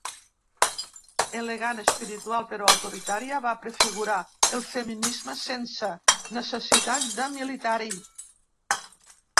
Elegant, espiritual però autoritària, va prefigurar el feminisme sense necessitat de militar-hi.